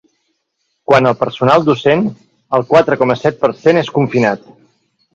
Quant al personal docent, el quatre coma set per cent és confinat.